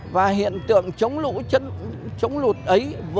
và hiện tượng chống lũ chống lụt ấy